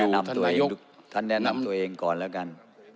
น่าอย่าออกท่านแนะนำตัวเองฝ่าแล้วกัน